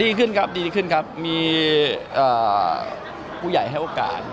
ดีขึ้นครับดีขึ้นครับมีผู้ใหญ่ให้โอกาส